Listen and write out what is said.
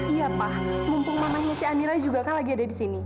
iya pak mumpung mamanya si anira juga kan lagi ada di sini